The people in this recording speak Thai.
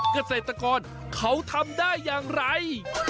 กระเศษตะกอดเขาทำได้อย่างไร